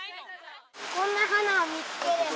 こんな花を見つければ。